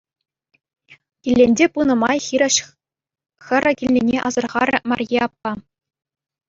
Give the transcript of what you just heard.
Килленсе пынӑ май хирӗҫ хӗрӗ килнине асӑрхарӗ Марье аппа.